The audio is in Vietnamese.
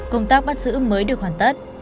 công tác bắt giữ mới được hoàn tất